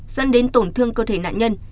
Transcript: dẫn đến tổn thương cơ thể nạn nhân